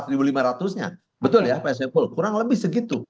betul ya pak saiful kurang lebih segitu